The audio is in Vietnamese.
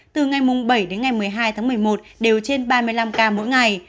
từ ngày bảy đến ngày một mươi hai tháng một mươi một đều trên ba mươi năm ca mỗi ngày